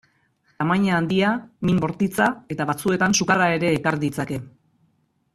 Tamaina handia, min bortitza eta batzuetan sukarra ere ekar ditzake.